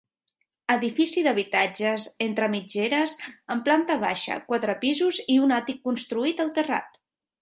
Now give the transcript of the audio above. Edifici d'habitatges entre mitgeres amb planta baixa, quatre pisos i un àtic construït al terrat.